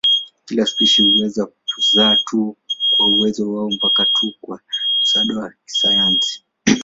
Kila spishi huweza kuzaa tu kwa uwezo wao mpaka tu kwa msaada wa sayansi.